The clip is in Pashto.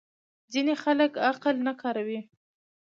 ځینې خلک عقل نه کاروي.